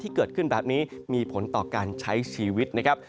ที่เกิดขึ้นแบบนี้มีผลต่อการใช้ชีวิตนะครับ